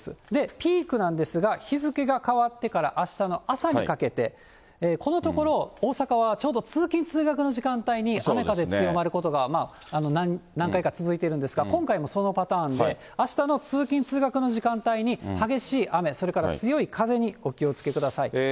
ピークなんですが、日付が変わってからあしたの朝にかけて、このところ大阪は、ちょうど通勤・通学の時間帯に雨、風強まることが、何回か続いているんですが、今回もそのパターンで、あしたの通勤・通学の時間帯に、激しい雨、それから強い風にお気をつけください。